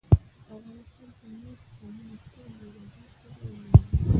په افغانستان کې مېشت قومونه ټول یو له بله سره وروڼه دي.